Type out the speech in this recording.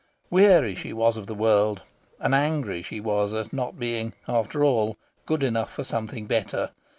Weary she was of the world, and angry she was at not being, after all, good enough for something better.